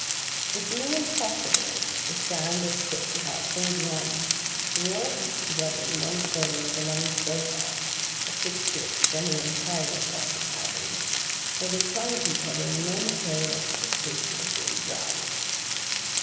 It being impossible to stand or sit without holding on, they were all heaped together in one corner of a long sofa—a fixture extending entirely across the cabin—where they clung to each other in momentary expectation of being drowned.